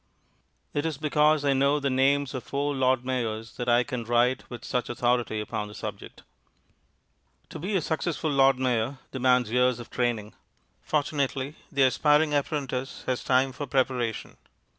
It is because I know the names of four Lord Mayors that I can write with such authority upon the subject. To be a successful Lord Mayor demands years of training. Fortunately, the aspiring apprentice has time for preparation.